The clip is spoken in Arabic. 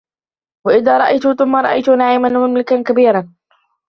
وَإِذا رَأَيتَ ثَمَّ رَأَيتَ نَعيمًا وَمُلكًا كَبيرًا